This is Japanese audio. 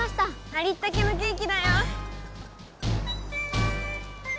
ありったけのケーキだよ！